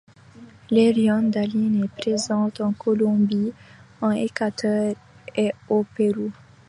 L'Érione d'Aline est présente en Colombie, en Équateur et au Pérou.